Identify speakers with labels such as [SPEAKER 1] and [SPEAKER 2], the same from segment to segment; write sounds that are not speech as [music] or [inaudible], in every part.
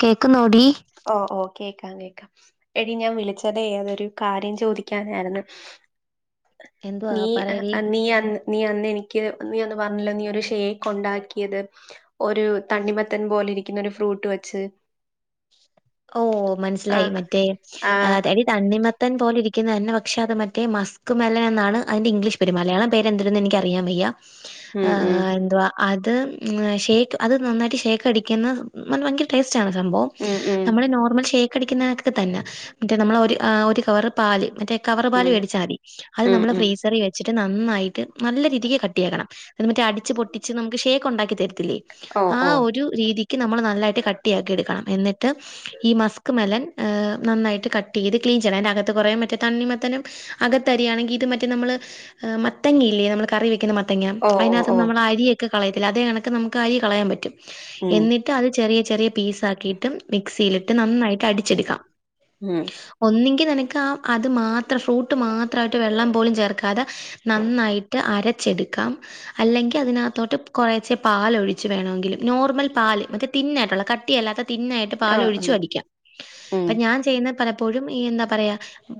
[SPEAKER 1] കേക്കുന്നോടി
[SPEAKER 2] ഓഹ് ഓഹ് കേക്കാം കേക്കാം എടീ ഞാൻ വിളിച്ചതേ അതൊരു കാര്യം ചോദിക്കാനായ്ര്ന്നു
[SPEAKER 1] എന്തുവാ
[SPEAKER 2] നീ എ
[SPEAKER 1] പറയടി
[SPEAKER 2] നീ അന്ന് നീ അന്ന് എനിക്ക് നീ അന്ന് പർഞ്ഞില്ലെ നീ ഒരു ഷേക്ക് ഒണ്ടാക്ക്യേത് ഒരു തണ്ണിമത്തൻ പോലെ ഇരിക്കുന്ന ഒരു ഫ്രൂട്ട് വെച്ച്
[SPEAKER 1] ഓഹ്
[SPEAKER 2] ആ
[SPEAKER 1] മൻസ്ലായി മറ്റേ
[SPEAKER 2] ആ
[SPEAKER 1] ആഹ് [unintelligible] തണ്ണിമത്തൻ പോലെരിക്കുന്നന്നെ പക്ഷെ അത് മറ്റേ മസ്ക് മെലൺന്നാണ് അതിന്റെ ഇംഗ്ലീഷ് പെര് മലയാളം പേരെന്ത്ര്ന്ന് എനിക്കറിയാൻ വയ്യ
[SPEAKER 2] ഉം ഉം
[SPEAKER 1] ഏഹ് എന്തുവാ അത് ഷേക്ക് അത് നന്നായിട്ട് ഷേക്ക് അടിക്കുന്ന നല്ല ഭയങ്കര ടേസ്റ്റ ആണ് സംഭവം
[SPEAKER 2] ഉം ഉം
[SPEAKER 1] നമ്മള് നോർമൽ ഷേക്ക് അടിക്കുന്നൊക്കെ തന്നെ മറ്റേ നമ്മൾ ഒരു കവറ് പാല് മറ്റ കവർ പാൽ
[SPEAKER 2] ഉം
[SPEAKER 1] വേടിച്ചാ മതി അത്
[SPEAKER 2] ഉം
[SPEAKER 1] നമ്മള്
[SPEAKER 2] ഉം
[SPEAKER 1] ഫ്രീസറിൽ വെച്ചിട്ട് നന്നായിട്ട് നല്ല രീതിക്ക് കട്ടിയാക്കണം എന്ന മറ്റേ അടിച്ച് പൊട്ടിച്ച് നമുക്ക് ഷേക്ക് ഉണ്ടാക്കി തരത്തില്ലേ
[SPEAKER 2] ഓ
[SPEAKER 1] ആ
[SPEAKER 2] ഓ
[SPEAKER 1] ഒരു രീതിക്ക് നമ്മൾ നല്ലായിട്ട് കട്ടിയാക്കി എടുക്കണം എന്നി ട്ട് ഈ മസ്ക് മലൻ ഹെ നന്നായിട്ട് കട്ട് ചെയ്ത് ക്ലീൻ ചെയ്യണം അതിൻ്റെ അകത്ത് കുറേ മറ്റേ തണ്ണിമത്തനും അകത്തരിയാണെങ്കിൽ ഇത് മറ്റേ നമ്മൾ മത്തങ്ങിയില്ലേ നമ്മൾ കറി വെക്കുന്ന മ ത്തങ്ങ
[SPEAKER 2] ഓ ഓ
[SPEAKER 1] അതിനകത്ത്
[SPEAKER 2] ഓ
[SPEAKER 1] നമ്മൾ അരിയൊക്കെ കളയത്തില്ല അതേ കണക്ക് നമുക്ക് അരി കളയാൻ പറ്റും
[SPEAKER 2] ഉം
[SPEAKER 1] എന്നിട്ട് ത്യത് ചെറ്യെ ചെറ്യെ പീസാക്കിട്ടും മിക്സീലിട്ട് നന്നായിട്ട് അടിച്ചെടുക്കാം
[SPEAKER 2] ഉം
[SPEAKER 1] ഒന്നുങ്കിൽ നിനക്ക് ആ അത് മാത്രം ഫ്രൂട്ട് മാത്രമായിട്ട് വെള്ളം പോലും ചേർക്ക പത നന്നായിട്ട് അരച്ചെടുക്കാം അല്ലെങ്കിൽ അതിനകത്തോട്ട് കുറേചെ പാല് ഒഴിച്ച് വേണമെങ്കിലും നോർമൽ പാല് മറ്റേ തിന്നായിട്ടുള്ള കട്ട് ട്ട അല്ലാത്ത തിന്നായിട്ട്
[SPEAKER 2] ആ
[SPEAKER 1] പാലൊഴിച്ചു
[SPEAKER 2] ഉം
[SPEAKER 1] അടിക്കാം
[SPEAKER 2] ഉം
[SPEAKER 1] അപ്പൊ ഞാൻ ചെയ്യുന്നത് പലപ്പോഴും ഈ എന്താ പറയാ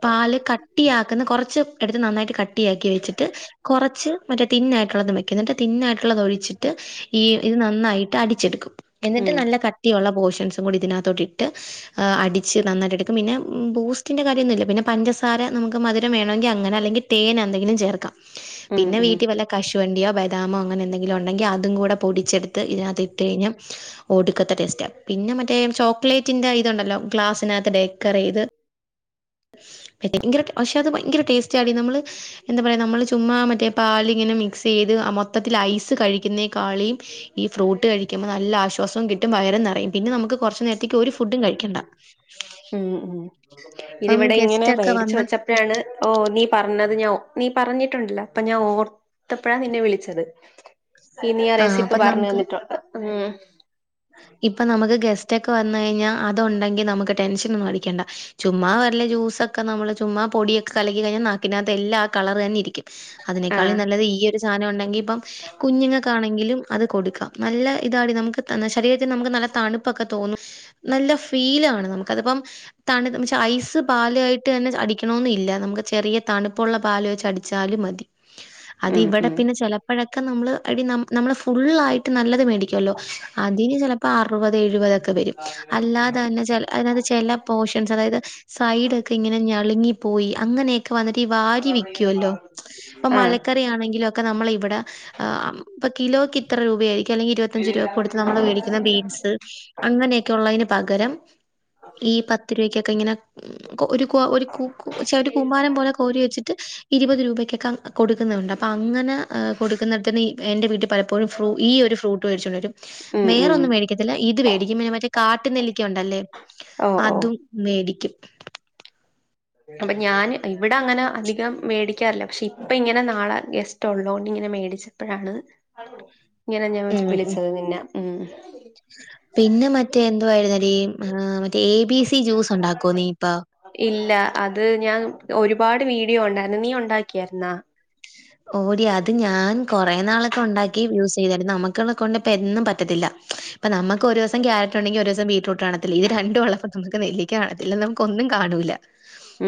[SPEAKER 1] പാല് കട്ടിയാക്കുന്ന കൊറച്ച് എടുത്ത് നന്നായിട്ട് കട്ടിയാക്കി വെച്ചിട്ട് കുറച്ച് മറ്റേ തിന്നായിട്ടുള്ളത വെക്കും എന്നിട്ടേ തിന്നായിട്ടുള്ളത് ഒഴിച്ചിട്ട് ഈ ഇത് നന്നായിട്ട് അടിച്ചെടുക്കും എന്നിട്ട്
[SPEAKER 2] ഉം
[SPEAKER 1] നല്ല കട്ടിയുള്ള പോഷൻസും കൂടി ഇതിനകത്തോട്ട് ഇട്ട് ഹെ അടിച്ച് നന്നായിട്ട് എടുക്കും പിന്നെ ബൂസ്റ്റിന്റെറെ കാര്യൊന്നുമില്ല പിന്നെ പഞ്ചസാര നമുക്ക് മധുരം വേണമെങ്കിൽ അങ്ങനെ അല്ലെങ്കിൽ തേനെ എന്തെങ്കിലും ചേർക്കാം
[SPEAKER 2] ഉം
[SPEAKER 1] പിന്നെ വീട്ടിൽ വല്ല കശുവണ്ടിയോ ബദാമോ അങ്ങനെ എന്തെങ്കിലും ഉണ്ടെങ്കിൽ അതും കൂടെ പൊടിച്ചെടുത്ത് ഇതിനകത്ത് ഇട്ട് കഴിഞ്ഞ ഓടുക്കത്ത ടെസ്റ്റ പിന്നെ മറ്റ മറ്റേ ചോക്ലേറ്റിന്റെ ഇതുണ്ടല്ലോ ഗ്ലാസിനകത്ത് ഡെക്കറ ചെയ്ത് ഭയങ്കര പക്ഷേ അത് ഭയങ്കര ടേസ്റ്റ് ആടി നമ്മള് എന്താ പറയാ നമ്മള് ചുമ്മാ മറ്റേ പാല് ഇങ്ങനെ മിക്സ് ചെയ്ത് മൊത്തത്തിൽ ഐസ് കഴിക്കുന്നേ കാളി ഈ ഫ്രൂട്ട് കഴിക്കുമ്പോ നല്ലശ്വാസ കിട്ടും വയറും നിറയും പിന്നെ നമുക്ക് കുറച്ച് നേരത്തേക്ക് ഒരു ഫുഡും കഴിക്കണ്ട
[SPEAKER 2] ഉം ഉം
[SPEAKER 1] ഇപ്പം
[SPEAKER 2] ഇതിവിടെ ഇങ്ങനെ
[SPEAKER 1] ഗെസ്റ്റ് ഒക്കെ
[SPEAKER 2] മേടിച്ച്
[SPEAKER 1] വന്ന്
[SPEAKER 2] വെച്ച എഴാണ് ഓ നീ പറഞ്ഞത് ഞ നീ പറഞ്ഞിട്ടുണ്ടല്ലോ അപ്പൊ ഞാൻ ഓർ ത്തപ്പഴാ നിന്നെ വിളിച്ചത് ഇ നീ ആ റെസിപ്പി
[SPEAKER 1] അപ്പൊ
[SPEAKER 2] പറഞ്ഞു
[SPEAKER 1] നമുക്ക്
[SPEAKER 2] തന്നിട്ടു ഉ
[SPEAKER 1] ഇപ്പൊ നമുക്ക് ഗസ്റ്റ ഒക്കെ വന്നു കഴിഞ്ഞാൽ അത് ഉണ്ടെങ്കി നമുക്ക് ടെൻഷൻ ഒന്നും അടിക്കേണ്ട ചുമ്മാ വലെ ജ്യൂസൊക്കെ നമ്മള് ചുമ്മാ പൊടിയക്കെ കലക്കി കഴിഞ്ഞാൽ നാക്കിനകത്തെ എല്ലാ ആ കളർ തന്നെ ഇരിക്കും
[SPEAKER 2] ആഹ്
[SPEAKER 1] അതിനേക്കാളും നല്ലത് ഈ ഒരു സാനം ഉണ്ടെങ്കി ഇപ്പം കുഞ്ഞുങ്ങ ക്ക ആണെങ്കിലും അത് കൊടുക്കാം നല്ല ഇതാടി നമുക്ക് ശരീരത്തിന് നമുക്ക് നല്ല തണുപ്പൊക്കെ തോന്നും നല്ല ഫീലാണ് നമുക്കതിപ്പം തണു പക്ഷേ ഐസ് പാല ആയിട്ട് തന്നെ അടിക്കണന്ന ഇല്ല നമുക്ക് ചെറിയ തണുപ്പുള്ള പാല് വെച്ച് അ ചാലും മതി
[SPEAKER 2] [inaudible]
[SPEAKER 1] അത് ഇവിടെ
[SPEAKER 2] ഉം
[SPEAKER 1] പിന്നെ ചെലപ്പോഴൊക്കെ നമ്മള് അടി നമ്മള് നമ്മൾ ഫൾ ആയിട്ട് നല്ലത് മേടിക്കുവല്ലോ അതിന് ചെ ഇപ്പ അറുപത് എഴുപതൊക്കെ വരും അല്ലാതെ തന്നെ ചെ അയിനകത് ചെല പോർഷൻസ് അതായത് സൈഡ ഒക്കെ ഇങ്ങനെ ഞളുങ്ങിപ്പോയി അങ്ങനെയക്കെ പ്പ വന്നിട്ട് ഈ വാരി വക്കല്ലോ ഇപ്പൊ
[SPEAKER 2] ആഹ്
[SPEAKER 1] മലക്കറി ആണെങ്കില ഒക്കെ നമ്മള ഇവിടെ ഇപ്പൊ കിലോക്ക് ഇത്ര രൂപ ആരിക്കും അല്ലെങ്ക ഇരുപത്തഞ്ച് രൂപ കൊടുത്ത് നമ്മൾ വേടിക്കുന്ന ബീ സ് അങ്ങനെയൊക്കെ ഉള്ളതിന് പകരം ഈ പത്ത് രൂപക്കൊക്കെ ഇങ്ങനെ ഒരു കെ ഒരുകുക്കു പക്ഷെ ഒരു കൂമാരം പോലെ കോരി വെച്ചിട്ട് ഇരുപത് രൂപയ്ക്കൊക്കെ കൊടുക്കുന്നുണ്ട് അപ്പ അങ്ങനെ കൊടുക്കുന്നിടത്തിന് എന്റെ വിട്ടി പലപ്പോഴും ഫ്രൂ ഈ ഒരു ഫ്രൂട്ട് മെടിച്ചുകൊണ്ടുംവരും
[SPEAKER 2] ഉം ഉം
[SPEAKER 1] വേറൊന്നും മേടിക്ക ത്തില്ല ഇത് മേടിക്കും പിന്നെ മറ്റേ കാട്ട് നെല്ലിക്ക ഉണ്ടല്ലേ
[SPEAKER 2] ഓ ഓ
[SPEAKER 1] അതും മേടിക്കും
[SPEAKER 2] അപ്പൊ ഞാൻ ഇവിടെ അങ്ങനെ അധികം മേടിക്കാറില്ല പക്ഷെ ഇപ്പ ഇങ്ങനെ നാളെ ഗെസ്റ്റ് ഉള്ളതോണ്ട് ഇങ്ങനെ മേടിച്ചത് ഇപ്പോഴാണ് ഇങ്ങനെ ഞാൻ
[SPEAKER 1] ഉം ഉം
[SPEAKER 2] വിളിച്ചത് നിന്നെ ഉ
[SPEAKER 1] പിന്നെ മറ്റേ എന്തുവായിരുന്നെടീ, ഏ മറ്റേ ഏ ബീ സീ ജ്യൂസുണ്ടാക്കോ നീ ഇപ്പ?
[SPEAKER 2] ഇല്ല, അത് ഞാൻ ഒരുപാട് വീഡിയോ ഉണ്ടായിരുന്നു. നീ ഉണ്ടാക്കിയായിരുന്നാ?
[SPEAKER 1] ഓടി അത് ഞാൻ കൊറേ നാളൊക്കെ ഉണ്ടാക്കി യൂസെ യ്തിരുന്നു. നമുക്കുള്ള കൊണ്ട് പ്പ എന്നും പറ്റത്തില്ല. ഇപ്പ നമുക്ക് ഒരൂസം ക്യാരറ്റു- ണ്ടെങ്കി ഒരൂസം ബീറ്റ്റൂട്ട് കാണത്തില്ല. ഇത് രണ്ടു ഉള്ളപ്പൊ നമുക്ക് നെല്ലിക്ക കാണത്തില്ല, നമുക്കോന്നും കാണൂല.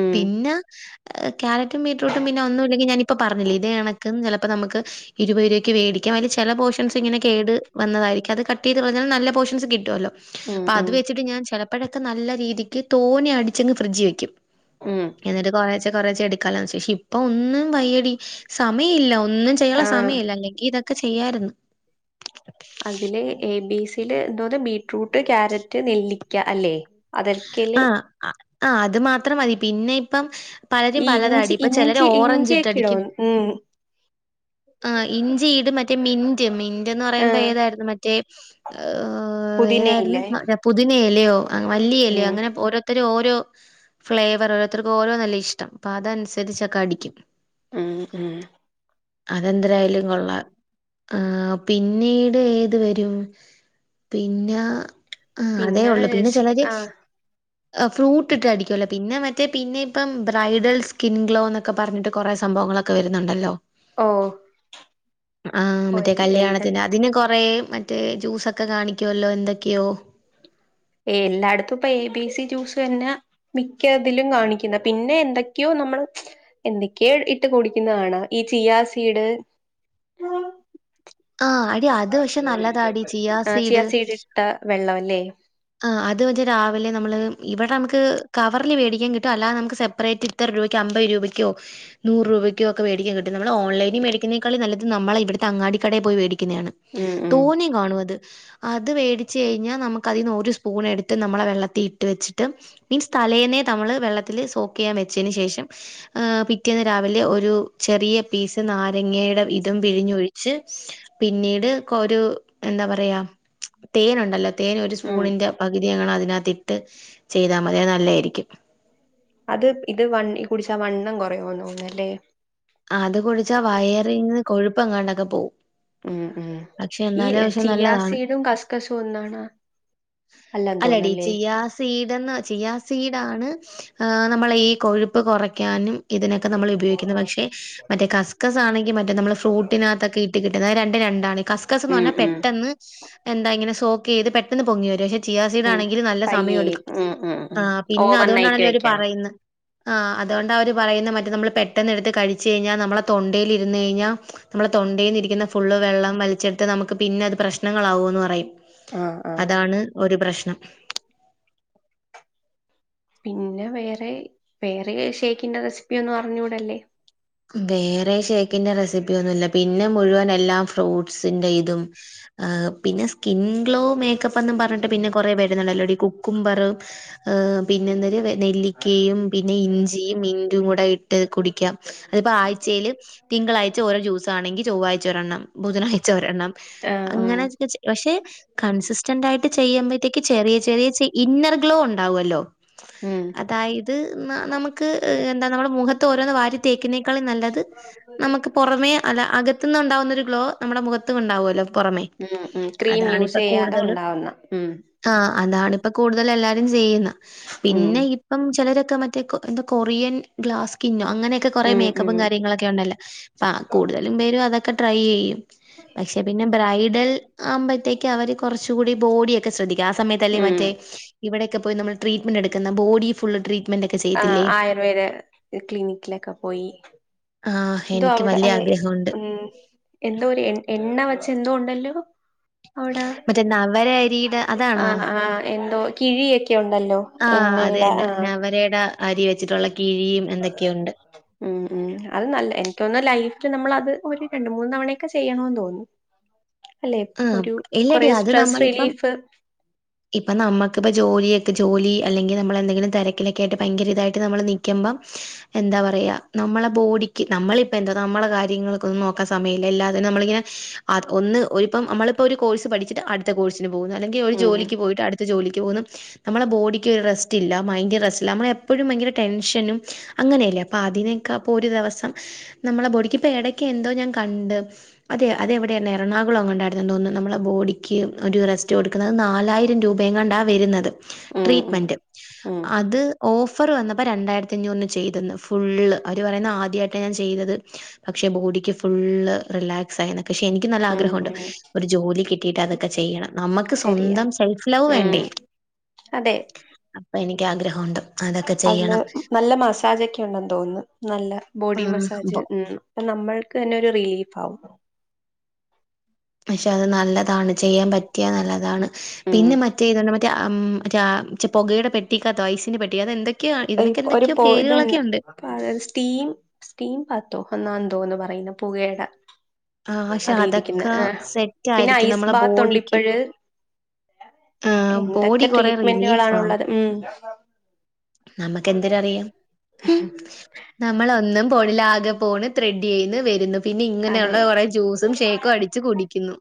[SPEAKER 2] ഉം
[SPEAKER 1] പിന്ന, ക്യാരറ്റും ബീട്രൂട്ടും പിന്നെ ഒന്നുല്ലെങ്കി ഞാനിപ്പ പ പറഞ്ഞില്ലേ ഇതേ കണക്ക് ചെലപ്പോ നമുക്ക് ഇരുപത് രൂപയ്ക്ക് വേടിക്കാ, അയ്ല് ചെല പോഷൻസ് ഇങ്ങനെ കേട് വന്നതായിരിക്കു, അത് കട്ടെയ്ത് കളഞ്ഞാൽ നല്ല പോഷൻസ് കിട്ടുവല്ലോ.
[SPEAKER 2] ഉം
[SPEAKER 1] അപ്പൊ അത്
[SPEAKER 2] ഉം
[SPEAKER 1] വെച്ചിട്ട് ഞാൻ ചെലപ്പഴൊക്കെ നല്ല രീതിക്ക്, തോനെ അടിച്ചങ്ങ് ഫ്രിഡ്ജി വെയ്ക്കും.
[SPEAKER 2] ഉം
[SPEAKER 1] എന്നിട്ട് കൊറേച്ചെ കൊറെേച്ചെ എടുക്കാലോ [unintelligible] ഇപ്പൊ ഒന്നും വയ്യെടി, സമയല്ല. ഒ ഒന്നും ചെയ്യാള്ളെ
[SPEAKER 2] ആഹ്
[SPEAKER 1] സമയല്ല, അല്ലെങ്കി ഇതൊക്കെ ചെയ്യായിര്ന്ന്.
[SPEAKER 2] അതില്, ഏ ബീ സില് എന്തോന്ന് ബീറ്റ്റൂട്ട്, കാരറ്റ്, നെല്ലിക്ക അല്ലെ?
[SPEAKER 1] ആഹ് അ ആഹ് അത് മാത്രം മതി, പിന്നെ ഇപ്പം പലരും
[SPEAKER 2] ഈ ഇഞ്ചി
[SPEAKER 1] പലതാടി, ഇപ്പ ചെലര്
[SPEAKER 2] ഇഞ്ചി ഇഞ്ചിയൊക്കെ ഇടോ
[SPEAKER 1] ഓറഞ്ചിട്ടടിക്കും
[SPEAKER 2] ഉം
[SPEAKER 1] ആഹ് ഇഞ്ചി ഇടും, മറ്റ് റ്റേ മിന്റ്, മിന്റെന്ന് പറയുമ്പൊ
[SPEAKER 2] ആഹ്
[SPEAKER 1] ഏതായിരുന്നു മറ്റേ, ഏഹ് ഏതായിരുന്ന്
[SPEAKER 2] പുതിനയില്ലേ
[SPEAKER 1] [unintelligible] പുതിന എലയോ, അ മല്ലി എലയോ
[SPEAKER 2] ഉം
[SPEAKER 1] അങ്ങനെ ഓരൊ ത്തര് ഓരോ ഫ്ലേവറ് ഓരോത്തർക്ക് ഓരോന്നല്ലെ ഇഷ്ടം. അപ്പതൻസര്ച്ചൊക്കെ അടിക്കും.
[SPEAKER 2] ആഹ് ആഹ്
[SPEAKER 1] അതെന്തരായാലും കൊള്ളാം. ആഹ് പിന്നീട് ഏത് വരൂം? പിന്നാ, ആഹ് അതേ ഒള്ളു പിന്നെ ചെലര്
[SPEAKER 2] [inaudible]
[SPEAKER 1] അ ഫ്രൂട്ട്ട്ട് അടിക്കുവല്ലൊ. പിന്നെ മറ്റേ പിന്നെ ഇപ്പം ബ്രൈഡൽ സ്കിൻ ഗ്ലോ ന്നൊക്കെ പറഞ്ഞിട്ട് കൊറേ സംഭവങ്ങളൊക്കെ ക്കെ വരുന്നുണ്ടല്ലോ.
[SPEAKER 2] ഓഹ്
[SPEAKER 1] ആഹ് മറ്റേ കല്യാണ
[SPEAKER 2] എന്ത
[SPEAKER 1] ത്തിന്റെ, അതിന് കൊറേ മറ്റേ ജ്യൂസൊക്കെ കാണിക്കുവല്ലോ എന്തൊക്കെയോ
[SPEAKER 2] എല്ലായിടത്തുപ്പൊ എബി സി ജ്യൂസെന്നാ മിക്ക ത് ലും കാണിക്ക്ന്നേ. പിന്നെ എന്തക്കെയോ നമ്മള് എന്തൊക്കെയോ ഇട്ട് കുടിക്ക്ന്ന കാണാ, ഈ ചിയാ സീഡ്
[SPEAKER 1] ആഹ് എടി അത് പക്ഷെ നല്ലതാടി ചിയാ സീഡ്
[SPEAKER 2] ട്ട വെള്ളവല്ലേ?
[SPEAKER 1] ആഹ് അത് മറ്റേ രാവിലെ നമ്മള്, ഇവടമ്ക്ക് കവറില് വേടിക്കാൻ കിട്ടും, അല്ലാതെ നമുക്ക് സപ്പറേറ്റ് ത്ര രൂപയ്ക്ക് അമ്പത് രൂപയ്ക്കോ നൂറ് രൂപയ്ക്കോക്കെ വേടിക്കാൻ കിട്ടും. നമ്മള് ഓൺലൈനി മേടിക്കുന്നേക്കാൾ നല്ലത് നമ്മളെ ഇവിടത്തെ അങ്ങാടിക്കടയിന്ന് പോയി വേടിക്ക്ന്നയാണ്.
[SPEAKER 2] ഉം ഉം
[SPEAKER 1] തോനെം കാണു അത്. അത് വേടിച്ച് കഴിഞ്ഞാ നമക്കതീന്ന് ഓ ഒരു സ്പൂണെടുത്ത് നമ്മളാ വെള്ളത്തീ ഇട്ട് വെച്ചിട്ട് മീൻസ്, തലേന്നേ നമ്മള് വെള്ളത്തില് സോക്കെയ്യാൻ വെച്ചേന് ശേഷം ഏഹ് പിറ്റേന്ന് രാവിലെ ഒരു ചെറിയ പീസ് നാരങ്ങയുടെ ഇതും പിഴിഞ്ഞൊഴിച്ച് പിന്നീട് കൊരു എന്താ പറയാ, തേനുണ്ടല്ലോ തേൻ ഒരു
[SPEAKER 2] ഉം
[SPEAKER 1] സ്പൂണിന്റെ പകുതി അങ്ങട് അതിനകത്തിട്ട് ചെയ്താ മതി, അത് നല്ലായിരിക്കും.
[SPEAKER 2] അത് ഇത് വണ്ണ് ഈ കുടിച്ചാ വണ്ണം കുറയോ തോന്നുന്നല്ലേ.
[SPEAKER 1] ആഹ്അത് കുടിച്ചാ വയറിന്ന് കൊഴുപ്പെങ്ങാണ്ടൊക്കെ പോവും.
[SPEAKER 2] ഉം ഉം.
[SPEAKER 1] പക്ഷെ
[SPEAKER 2] ഈ
[SPEAKER 1] എന്നാലും പക്ഷെ
[SPEAKER 2] ചിയാ
[SPEAKER 1] നല്ലതാണ്
[SPEAKER 2] സീടും കസ്കസും ഒന്നാണാ? അല്ലാന്ന് തോന്നുന്നല്ലേ
[SPEAKER 1] സീഡെന്ന് ചിയാ സീഡാണ് ആഹ് നമ്മളെ ഈ കൊഴുപ്പ് കുറയ്ക്കാനും, ഇതിനൊക്കെ നമ്മള് ഉപയോഗിക്കുന്നു, പക്ഷെ മറ്റേ കസ്കസാണെങ്കി മറ്റെ നമ്മള് ഫ്രൂട്ടിനകത്തൊക്കെ ഇട്ട് കിട്ടുന്ന അത് രണ്ട് രണ്ടാണ് കസ് ക്കസ്ന്ന്
[SPEAKER 2] ഉം
[SPEAKER 1] പറഞ്ഞ
[SPEAKER 2] ഉം
[SPEAKER 1] പെട്ടന്ന്, എന്താ ഇങ്ങനെ സോക്കെയ്ത് പെട്ടെന്ന് പൊങ്ങി വരും, പക്ഷെ ചിയാ
[SPEAKER 2] ഉം
[SPEAKER 1] സീഡാണെങ്കില് നല്ല
[SPEAKER 2] പയ്യേ
[SPEAKER 1] സമയ എടുക്കും.
[SPEAKER 2] ഉം ഉം ഉം
[SPEAKER 1] ആഹ് പിന്നെ
[SPEAKER 2] ഓവർ നൈറ്റ്
[SPEAKER 1] അതുകൊണ്ടാണെല്ലൊ അവര്
[SPEAKER 2] വെക്കണം
[SPEAKER 1] പറയുന്ന് ആഹ് അതോണ്ടാ അവര് പറയുന്നേ മറ്റേ നമ്മള് പെട്ടെന്ന് എടുത്ത് കഴിച്ച് കഴിഞ്ഞാ നമ്മളെ തൊണ്ടേലിരുന്ന്ഴിഞ്ഞാ നമ്മളെ തൊണ്ടേന്നിരിക്കുന്ന ഫുള്ള് വെള്ളം വലിച്ചെടുത്ത് നമുക്ക് പിന്നെ അത് പ്രശ്നങ്ങളാവൂന്ന് പറയും
[SPEAKER 2] ആഹ് ആഹ്
[SPEAKER 1] അതാണ് ഒരു പ്രശ്നം
[SPEAKER 2] പിന്നെ വേറെ വേറെ ഷേയ്ക്കിന്റെ റെസിപ്പി ഒന്നും അറിഞ്ഞൂടല്ലേ
[SPEAKER 1] വേറെ ഷേക്കിന്റെ റെസിപ്പി ഒന്നുല്ല പിന്നെ മുഴുവൻ എല്ലാം ഫ്രൂട്ട്സിന്റെ ഇതും ഏഹ് പിന്നെ സ്കിൻ ഗ്ലോ മേക്കപ്പെന്നും പറഞ്ഞിട്ട് പിന്നെ കൊറെ വരുന്നുണ്ടല്ലോടി കുക്കുംബറ് ഏഹ് പിന്നെ എന്തര് നെല്ലിക്കയും പിന്നെ ഇഞ്ചിയും ഇന്റും കൂടെ ഇട്ട് കുടിക്കാം അത്പ്പോ ആഴ്ചേല് തിങ്കളാഴ്ച ഓരോ ജ്യൂസാണെങ്കി, ചൊവ്വാഴ്ച ഒരെണ്ണം, ബുധനാഴ്ച ഒരെണ്ണം
[SPEAKER 2] ആഹ് ഉം
[SPEAKER 1] അങ്ങനൊക്കെ ചെ പക്ഷെ കൺസിസ്റ്റന്റ് ആയിട്ട് ചെയ്യുമ്പത്തേക്ക് ചെറിയ ചെറിയ ഇന്നർ ഗ്ലോ ഉണ്ടാവല്ലോ
[SPEAKER 2] ഉം
[SPEAKER 1] അതായത് നമുക്ക് എന്താ നമ്മുടെ മുഖത്ത് ഓരോന്ന് വാരി തേക്നേക്കാളും നല്ലത് നമുക്ക് പുറമെ അല്ല അകത്ത്ന്ന് ഉണ്ടാവുന്നൊരു ഗ്ലോ നമ്മുടെ മുഖത്ത്ണ്ടാവല്ലോ പുറമേ
[SPEAKER 2] ഉം ഉം ക്രീം
[SPEAKER 1] അതാണിപ്പ
[SPEAKER 2] യൂസ്യ്യാതെ
[SPEAKER 1] കൂടുതലും
[SPEAKER 2] ഉണ്ടാവുന്ന ഉം
[SPEAKER 1] ആഹ് അതാണ് ഇപ്പ കൂടുതൽ എല്ലാരും ചെയ്യുന്ന
[SPEAKER 2] ഉം
[SPEAKER 1] പിന്നെയി ഇപ്പം ചിലരൊക്കെ മറ്റേ കൊ എന്താ കൊറിയൻ ഗ്ലാസ്കിന്നോ അങ്ങനെയൊക്കെ കുറെ
[SPEAKER 2] ഉം ഉം
[SPEAKER 1] മേക്കപ്പും കാര്യങ്ങളൊക്കെ ഉണ്ടല്ലോ ആഹ് കൂടുതലും പേരും അതൊക്കെ ട്രൈ ചെയ്യും പക്ഷെ പിന്നെ ബ്രൈഡൽ ആവുമ്പത്തേക്ക് അവര് കുറച്ചു കൂടി ബോഡിയൊക്കെ ശ്രദ്ധിക്കും ആ സമയത്തല്ലേ
[SPEAKER 2] ഉം
[SPEAKER 1] മറ്റേ ഇവിടെയൊക്കെ പോയി നമ്മൾ ട്രീറ്റ്മെന്റ് എടുക്കുന്ന ബോഡി ഫുള്ള് ട്രീ
[SPEAKER 2] ആഹ് ആഹ് ആയുർവേദ ക്ലിനിക്കിലൊക്കെ പോയി
[SPEAKER 1] ആഹ്
[SPEAKER 2] ന്തോ
[SPEAKER 1] എനിക്ക്
[SPEAKER 2] അവിടെ
[SPEAKER 1] വലിയ
[SPEAKER 2] അതെ
[SPEAKER 1] ആഗ്രഹമുണ്ട്.
[SPEAKER 2] ഉം എന്തോ ഒരു എ എണ്ണ വെച്ച് എന്തോ ഉണ്ടല്ലോ അവ്ടെ
[SPEAKER 1] മറ്റേ നവര അരിയുടെ അതാണോ?
[SPEAKER 2] ആഹ് ആഹ് എന്തോ കിഴിയൊക്കെ ഉണ്ടല്ലോ
[SPEAKER 1] ആഹ് അത്
[SPEAKER 2] എണ്ണയുടെ
[SPEAKER 1] തന്നെ
[SPEAKER 2] ആഹ്
[SPEAKER 1] നവരയുടെ അരി വെച്ചിട്ടുള്ള കിഴിയും എന്തൊക്കെയുണ്ട്
[SPEAKER 2] ഉം ഉം അത് നല്ല എനിക്ക് തോന്നുന്നു നൈറ്റ്‌ നമ്മള് അത് ഒരു രണ്ട് മൂന്ന് തവണയൊക്കെ ചെയ്യണോന്ന് തോന്നുന്നു അല്ലെ
[SPEAKER 1] ആഹ്
[SPEAKER 2] ഒരു
[SPEAKER 1] ഇല്ലടി
[SPEAKER 2] കൊറേ സ്ട്രെസ് റിലീഫ്
[SPEAKER 1] ഇപ്പ നമുക്കിപ്പോ ജോലിയൊക്കെ ജോലി അല്ലെങ്കിൽ നമ്മളെന്തെങ്കിലും തിരക്കിലൊക്കെ ആയിട്ട് ഭയങ്കര ഇതായിട്ട് നമ്മള് നിക്കമ്പം എന്താ പറയാ നമ്മള ബോഡിക്ക് നമ്മളിപ്പഎന്തോ നമ്മള കാര്യങ്ങൾക്കൊന്നും നോക്കാൻ സമയില്ല എല്ലാത്തിനും നമ്മളിങ്ങന അ ഒന്ന് ഓൽപ്പം അമ്മളിപ്പൊര് കോഴ്സ് പഠിച്ചിട്ട് അട്ത്ത കോഴ്സിന് പോകുന്ന് അല്ലെങ്കി ഒരു
[SPEAKER 2] ഉം
[SPEAKER 1] ജോലിക്ക് പോയിട്ട് അട് ജോലിക്ക് പോകുന്നു നമ്മളെ ബോഡിക്ക് ഒരു റെസ്റ്റ് ഇല്ല മൈന്റ് റെസ്റ്റ് ഇല്ല നമ്മൾ എപ്പോഴും ഭയങ്കര ടെൻഷനും അങ്ങനെയല്ലേ അപ്പതിനേക്ക പ്പോരു ദെവസം നമ്മള ബോഡിക്കിപ്പേടക്കെന്തോ ഞാൻ കണ്ട് അതെ അതെവിടേണ് എറണാ [unintelligible] മണ്ടായിരുന്നു തോന്നുന്നു നമ്മള ബോഡിക്ക് ഒരു റെസ്റ്റ് കൊടുക്കുന്നത് നാലായിരം രൂപയെങ്ങാണ്ടാ വരുന്നത്
[SPEAKER 2] ഉം ഉം
[SPEAKER 1] ട്രീറ്റ്മന്റ്
[SPEAKER 2] ഉം
[SPEAKER 1] അത് ഓഫർ വന്നപ്പോൾ രണ്ടായിരത്തി അഞ്ഞൂറിന് ചെയ്തന്ന് ഫുള്ള് അവർ പറയുന്ന് ആദ്യമായിട്ടാ ഞാൻ ചെയ്തത് പക്ഷെ ബോഡിക്ക് ഫുള്ള് റിലാക്സ് ആയെന്നക്കെ പക്ഷെ എനിക്ക് നല്ല
[SPEAKER 2] ഉം
[SPEAKER 1] ആഗ്രഹ
[SPEAKER 2] ഉം
[SPEAKER 1] രു ജോലി കിട്ടീട്ടതൊക്കെ ചെയ്യണം നമുക്ക്
[SPEAKER 2] ശരിയാ
[SPEAKER 1] സ്വന്തം സെൽഫ് ലവ്
[SPEAKER 2] ഉം
[SPEAKER 1] വേണ്ടെ
[SPEAKER 2] അതെ
[SPEAKER 1] അപ്പൊ എനിക്ക് ആഗ്രഹമുണ്ട് അതൊക്കെ
[SPEAKER 2] അതില്
[SPEAKER 1] ചെയ്യണം.
[SPEAKER 2] നല്ല മസാജൊക്കെ ഉണ്ടെന്ന് തോന്നുന്നു നല്ല ബോഡി
[SPEAKER 1] ഉം
[SPEAKER 2] മസാജ്
[SPEAKER 1] ബൊ
[SPEAKER 2] ഉം അപ്പ നമ്മൾക്ക് തന്നെ ഒരു റിലീഫ് ആവും
[SPEAKER 1] പക്ഷെ അത് നല്ലതാണ് ചെയ്യാൻ പറ്റിയാ നല്ലതാണ്
[SPEAKER 2] ഉം
[SPEAKER 1] പിന്നെ മറ്റേ ഇത മറ്റേ അം ആ പുകയുടെ പെട്ടിക്കകത്തോ ഐസിന്റെ പെട്ടിക്കകത്തോ അത് എന്തൊക് യ്ക്ക്യ ഇതിനെക്കെന്തെക്കെയോ പേരുകളൊക്കെയുണ്ട്
[SPEAKER 2] അതെ സ്റ്റീം സ്റ്റീം പത്തോ ഒന്നാ ന്തോ എന്ന് പറയുന്ന പുകേടെ
[SPEAKER 1] ആഹ് പക്ഷെ
[SPEAKER 2] അത ഇരിക്കുന്ന
[SPEAKER 1] അതൊക്കെ
[SPEAKER 2] ആഹ്
[SPEAKER 1] സെറ്റ്
[SPEAKER 2] പിന്നെ
[SPEAKER 1] ആയിരിക്കും
[SPEAKER 2] ഐസ്
[SPEAKER 1] നമ്മളെ ബോഡിക്ക്
[SPEAKER 2] ബാത്തൊണ്ടിപ്പൊഴ്
[SPEAKER 1] ആഹ് ബോഡി
[SPEAKER 2] എന്തൊക്കെ
[SPEAKER 1] കൊറേ
[SPEAKER 2] ട്രീറ്റ്മെന്റുകളാണുള്ളത് ഊം
[SPEAKER 1] നമക്ക് എന്തിരറിയാം ഹും നമ്മളോന്നും പോണിലാകെ പോണ് ത്രെഡ് ചെയ്യ്ന്ന് വരുന്ന് പിന്നെ
[SPEAKER 2] അതെ
[SPEAKER 1] ഇങ്ങനെയുള്ള കൊറെ ജ്യൂസും ഷേക്കും അടിച്ച് കുടിക്കുന്നു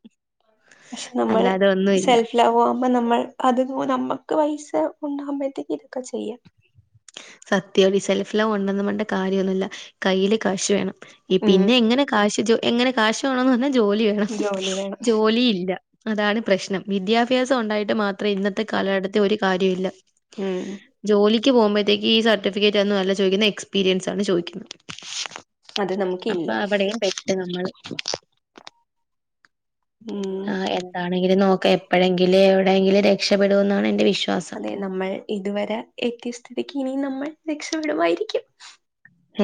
[SPEAKER 2] പക്ഷെ നമ്മൾ
[SPEAKER 1] അല്ലാതെ ഒന്നുവില്ല
[SPEAKER 2] സെൽഫ് ലവ് ആവുമ്പോ നമ്മൾ അത് വോ നമ്മക്ക് വയിസ ഉണ്ടാകുമ്പഴ്ത്തേക്കിതൊക്ക ചെയ്യാ
[SPEAKER 1] സത്യാടി ഈ സെൽഫ്ലവ് ഉണ്ടന്ന് പറഞ്ഞിട്ട് കാര്യൊന്നുമില്ല കയ്യില് കാശ് വേണം
[SPEAKER 2] ഉം
[SPEAKER 1] പിന്നെ എങ്ങനെ കാശ് ജോ എങ്ങനെ കാശ് വേണൊന്ന് പറഞ്ഞാ ജോലിയാ
[SPEAKER 2] ജോലി വേണം
[SPEAKER 1] ജോലിയില്ല അതാണ് പ്രശ്നം വിദ്യാഭ്യാസം ഉണ്ടായിട്ട് മാത്രേ ഇന്നത്തെ കാലഘട്ടത്തി ഒരു കാര്യംഇല്ല
[SPEAKER 2] ഉം
[SPEAKER 1] ജോലിക്ക് പോകുമ്പോഴത്തേക്ക് ഈ സർട്ടിഫിക്കറ്റ് ഒന്നും അല്ല ചോദിക്കുന്ന എക്സ്പീരിയൻസ് ആണ് ചോദിക്കുന്നത്
[SPEAKER 2] അത്
[SPEAKER 1] അപ്പ
[SPEAKER 2] നമുക്കില്ല
[SPEAKER 1] അവടെയും പെട്ട് നമ്മള്
[SPEAKER 2] ഉം
[SPEAKER 1] ആഹ് എന്താണെങ്കിലും നോക്ക എപ്പഴെങ്കിലേ എവിടെയെങ്കിലു രക്ഷപെടുമെന്നാണെന്റെ വിശ്
[SPEAKER 2] അതെ നമ്മൾ ഇതുവര എത്തിയ സ്ഥിതിക്ക് ഇനിയും നമ്മൾ രക്ഷപ്പടുമായിരിക്കും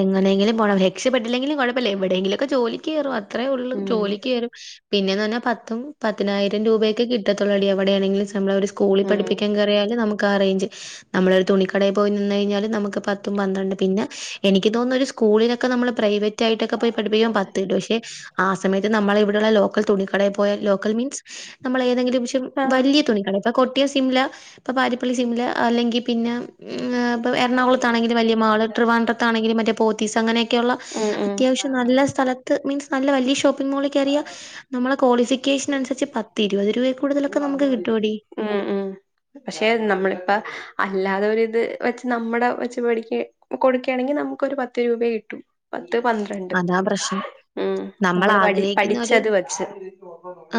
[SPEAKER 1] എങ്ങനെങ്കിലും പോണം രക്ഷപ്പെട്ടില്ലെങ്കിലും കുഴപ്പല്ല എവിടെങ്കിലൊക്ക ജോലി ക്കെറും അത്രേ ഒള്ള്
[SPEAKER 2] ഉം
[SPEAKER 1] ജോലിയ്ക്കേറും പിന്നേന്ന് പറഞ്ഞാൽ പത്തും പതിനായിരം രൂപയൊക്കെ കി പറ്റത്തുള്ളെടി എവിടെയാണെങ്കില് നമ്മളവര് സ്കൂളിൽ
[SPEAKER 2] ഉം
[SPEAKER 1] പഠപ്പിക്കാൻകേറിയാല് നമുക്ക് ക്കാ റേഞ്ച് നമ്മളൊരു തുണിക്കടേ പോയി നിന്ന് കഴിഞ്ഞാല് നമുക്ക് പത്തും പന്ത്രണ്ട് പിന്നെ എനിക്ക് തോന്നൊരു സ്കൂളിലെക്കെ നമ്മള് പ്രൈവറ്റായിട്ടൊക്കെ പോയി പഠിപ്പിക്കും പത്ത് കിട്ടും പക്ഷെ ആ സമയത്ത് നമ്മളിവിടുള്ള ലോക്കൽ തുണിക്കടേ പോയ ലോക്കൽ മീൻസ് നമ്മളേതെങ്കിലും [unintelligible]
[SPEAKER 2] ആഹ്
[SPEAKER 1] വല്യ തുണി കടേ ഇപ്പ കൊട്ടിയം സിംല ഇപ്പ പാരിപ്പള്ളി സിംല അല്ലെങ്കി പിന്നെ ഇപ്പം എറണാകുളത്താണെങ്കില് വല്യ മാള് ട്രിവാൻഡ്രത്താണെങ്കില് മറ്റേ പോത്തീസ് അങ്ങനെ യ്ക്കെയൊള്ള
[SPEAKER 2] ഉം ഉം
[SPEAKER 1] അത്യാവശ്യം നല്ല സ്ഥലത്ത് മീൻസ് നല്ല വല്യ ഷോപ്പ് മോളി കേറിയാ നമ്മളെ ക്വാളിഫിക്കേഷൻ അനുസരിച്ച് പത്തിരുപത് രൂപ
[SPEAKER 2] ഉം ഉം പക്ഷെ നമ്മളിപ്പ അല്ലാതെ ഒരിത് വച്ച് നമ്മുടെ വച്ച് പഠിക്ക കൊടുക്ക്യേണെങ്കി നമുക്കൊരു പത്ത് രൂപേ കിട്ടൂ പത്ത് പന്ത്രണ്ട്
[SPEAKER 1] അതാ പ്രശ്നം
[SPEAKER 2] ഉം നമ്മൾ പടി
[SPEAKER 1] ആഗ്രഹിക്കുന്ന ഒരു
[SPEAKER 2] പഠിച്ചത് വെച്ച് ആ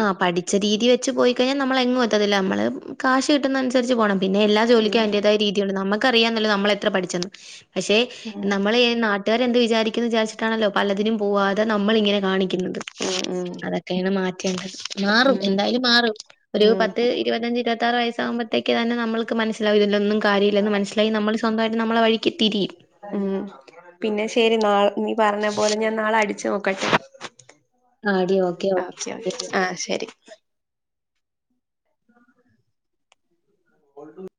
[SPEAKER 1] ആ പഠിച്ച രീതി വെച്ച് പോയിക്കഴിഞ്ഞാ നമ്മളെങ്ങു എത്തത്തില്ല മ്മള് കാശ് കിട്ടുന്നതനുസരിച്ച് പോണം പിന്നെ എല്ലാ ജോലിക്ക്
[SPEAKER 2] ഉം
[SPEAKER 1] അയ്ന്റേതായ രീതിയൊണ്ട് നമുക്കറിയാന്നല്ല നമ്മളെത്ര പഠിച്ചെന്ന് പക്ഷെ
[SPEAKER 2] ഉം
[SPEAKER 1] നമ്മളെ എ നാ വീട്ടുക്കാർ എന്ത് വിചാരിക്കും വിചാരിച്ചട്ടാണല്ലോ പലതിനും പോവാതെ നമ്മൾ ഇങ്ങനെ കാണി കുന്നത്
[SPEAKER 2] ഉം ഉം
[SPEAKER 1] അതൊക്കെയാണ് മാറ്റേണ്ടത് മാറും
[SPEAKER 2] ഉം
[SPEAKER 1] എന്തായാലും മാറും ഒരു
[SPEAKER 2] ഉം
[SPEAKER 1] പത്ത് ഇരുപത്തഞ്ച് ഇരുപത്താറ് വയസ്സ് ആകുമ്പോ ത്തേക്ക് തന്നെ നമ്മൾക്ക് മനസ്സിലാഉ ഇതിൽ ഒന്നും കാര്യോയില്ലന്ന് മനസ്സിലായി നമ്മൾ സ്വന്തമായിട്ട് നമ്മള വഴിക്ക് തിരിയും
[SPEAKER 2] ഉം പിന്നെ ശരി നാ നീ പറഞ്ഞ പോലെ ഞാൻ നാളെ അടിച്ചു നോക്കട്ടെ
[SPEAKER 1] ആ അടി ഓക്കെ ഓക്കെ ശരി
[SPEAKER 2] ആഹ് ശരി [inaudible]